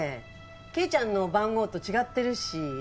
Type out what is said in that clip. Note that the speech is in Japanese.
ケイちゃんの番号と違ってるし。